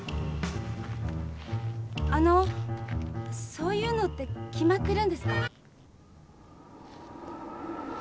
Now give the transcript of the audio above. あのうそういうのって決まってるんですか？